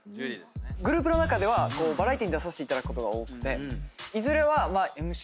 グループの中ではバラエティーに出させていただくことが多くていずれは。